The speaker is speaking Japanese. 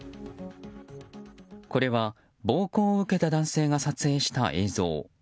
これは暴行を受けた男性が撮影した映像。